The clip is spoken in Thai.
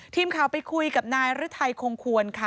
ทีมข่าวไปคุยกับนายฤทัยคงควรค่ะ